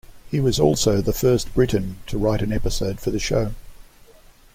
He was also the first Briton to write an episode for the show.